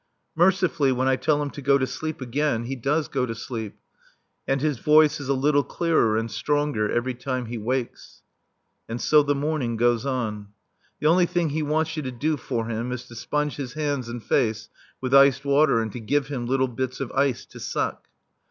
Mercifully, when I tell him to go to sleep again, he does go to sleep. And his voice is a little clearer and stronger every time he wakes. And so the morning goes on. The only thing he wants you to do for him is to sponge his hands and face with iced water and to give him little bits of ice to suck.